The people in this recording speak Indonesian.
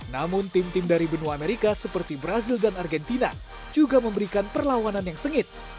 namun tim tim dari benua amerika seperti brazil dan argentina juga memberikan perlawanan yang sengit